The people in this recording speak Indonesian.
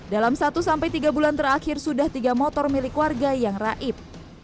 dalam satu tiga bulan terakhir sudah tiga motor milik warga yang raib